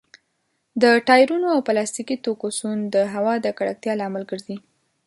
د ټايرونو او پلاستيکي توکو سون د هوا د ککړتيا لامل ګرځي.